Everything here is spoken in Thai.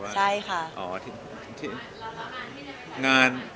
ใช่ค่ะ